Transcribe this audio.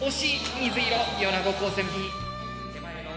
水色米子高専Ｂ。